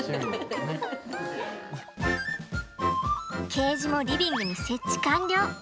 ケージもリビングに設置完了。